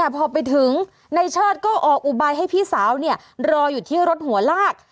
พอไปถึงในเชิดก็ออกอุบายให้พี่สาวรออยู่ที่รถหัวลาก